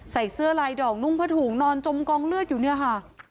ใส่เสื้อลายดอกนุ่งผ้าถุงนอนจมกองเลือดอยู่เนี่ยค่ะ